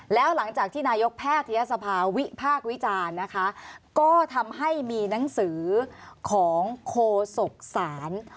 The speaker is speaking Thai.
แล้วหลังจากที่นายกแพทยศภาวิพากษ์วิจารณ์นะคะก็ทำให้มีหนังสือของโคศกศาล